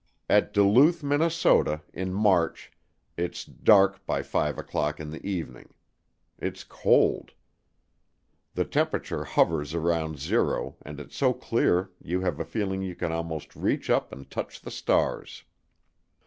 At Duluth, Minnesota, in March, it's dark by five o'clock in the evening. It's cold. The temperature hovers around zero and it's so clear you have a feeling you can almost reach up and touch the stars.